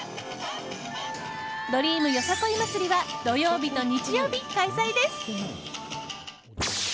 「ドリーム夜さ来い祭り」は土曜日と日曜日開催です。